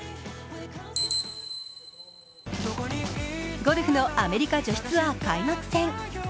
ゴルフのアメリカ女子ツアー開幕戦。